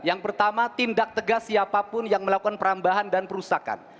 yang pertama tindak tegas siapapun yang melakukan perambahan dan perusakan